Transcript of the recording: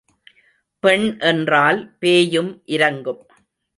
பெண் என்றால் பேயும் இரங்கும்.